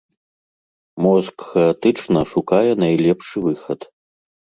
Мозг хаатычна шукае найлепшы выхад.